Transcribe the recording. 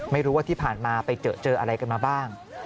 ไม่รู้ว่าที่ผ่านมาไปเจออะไรกันมาบ้าง